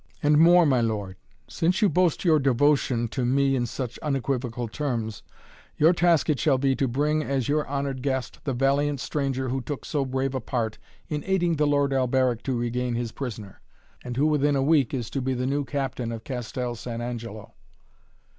And more, my lord. Since you boast your devotion to me in such unequivocal terms your task it shall be to bring as your honored guest the valiant stranger who took so brave a part in aiding the Lord Alberic to regain his prisoner, and who, within a week, is to be the new captain of Castel San Angelo."